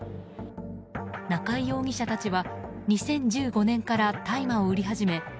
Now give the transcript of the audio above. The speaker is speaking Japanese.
中井容疑者たちは２０１５年から大麻を売り始め